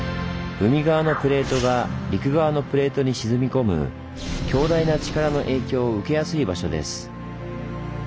海側のプレートが陸側のプレートに沈み込む強大な力の影響を受けやすい場所です。